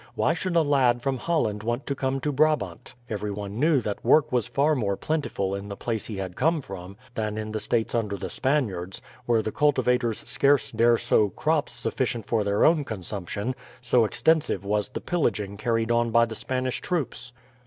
Why should a lad from Holland want to come to Brabant? Every one knew that work was far more plentiful in the place he had come from than in the states under the Spaniards, where the cultivators scarce dare sow crops sufficient for their own consumption, so extensive was the pillaging carried on by the Spanish troops.